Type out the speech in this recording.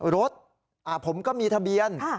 รถอ่าผมก็มีทะเบียนอ่า